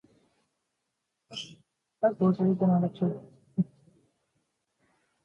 The Quadrille dance is also performed on the island during festivals and historic events.